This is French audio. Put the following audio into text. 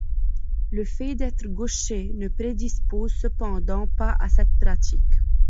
Le fait d'être gaucher ne prédispose cependant pas à cette pratique.